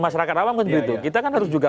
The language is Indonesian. masyarakat awam kan begitu kita kan harus juga